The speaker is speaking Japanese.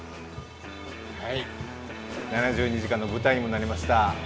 「７２時間」の舞台にもなりました